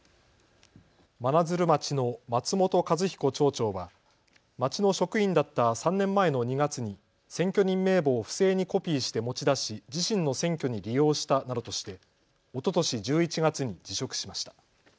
真鶴町の松本一彦町長は町の職員だった３年前の２月に選挙人名簿を不正にコピーして持ち出し自身の選挙に利用したなどとしておととし１１月に辞職しました。